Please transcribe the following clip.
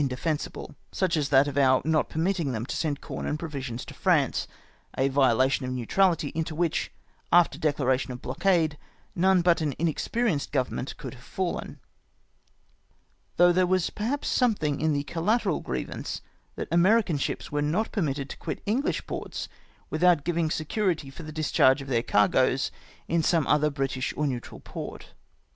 75 defensible ; such as that of oiu* not permitting tlicm to send corn and provisions to France, a violation of neutrahty into which, after declaration of blockade, none but an inexperienced government could have fallen ; though there was perhaps something in the collateral grievance that American ships were not permitted to quit Enghsh ports without giving security for the discharge of their cargoes in some other British or neutral port.